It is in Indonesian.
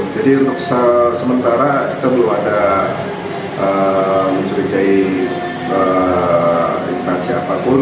jadi untuk sementara kita belum ada mencurigai instansi apapun